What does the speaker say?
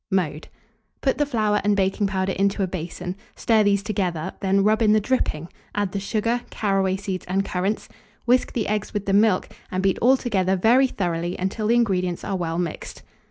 Mode. Put the flour and baking powder into a basin; stir those together; then rub in the dripping, add the sugar, caraway seeds, and currants; whisk the eggs with the milk, and beat all together very thoroughly until the ingredients are well mixed.